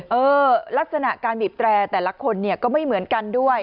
เออลักษณะการบีบแตรแต่ละคนเนี่ยก็ไม่เหมือนกันด้วย